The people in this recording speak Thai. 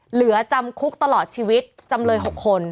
เหลือจำคุกตลอดชีวิตจำเลย๖คน